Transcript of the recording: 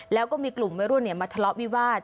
แล้วก็มีกลุ่มมาทะเลาะวิวาส